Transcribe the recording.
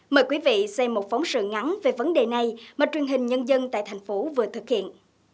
mời quý vị xem một phóng sự ngắn về vấn đề này mà truyền hình nhân dân tại thành phố vừa thực hiện